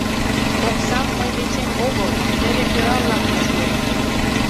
Оксам мый дечем огыл, теве тӧра-влак деч йод!